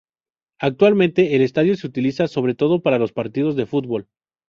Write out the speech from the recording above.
Actualmente el estadio se utiliza sobre todo para los partidos de fútbol.